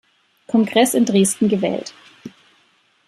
Kongress in Dresden gewählt.